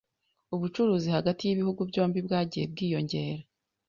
Ubucuruzi hagati y’ibihugu byombi bwagiye bwiyongera.